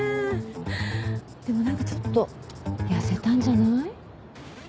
でもなんかちょっと痩せたんじゃない？